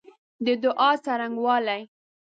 د دعا څرنګوالی